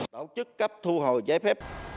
báo chức cấp thu hồi giấy phép